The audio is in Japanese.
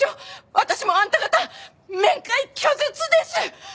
私もあんた方面会拒絶です！